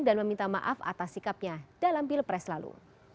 dan meminta maaf atas sikapnya dalam pilpres lalu